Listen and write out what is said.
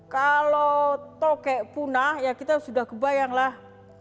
kalau tokek punah ya kita sudah kebayanglah